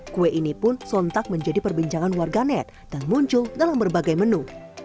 kue ini pun sontak menjadi perbincangan warganet dan muncul dalam berbagai menu